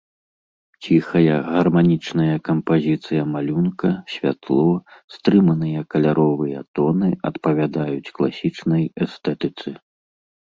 Ціхая, гарманічная кампазіцыя малюнка, святло, стрыманыя каляровыя тоны адпавядаюць класічнай эстэтыцы.